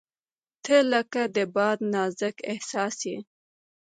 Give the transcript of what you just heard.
• ته لکه د باد نازک احساس یې.